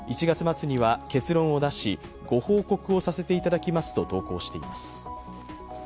１月末には結論を出しご報告をさせていただきますと投稿しています。